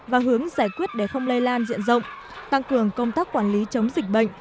và hướng giải quyết để không lây lan diện rộng tăng cường công tác quản lý chống dịch bệnh